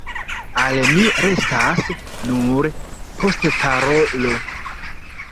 Al mi restas nur postparolo.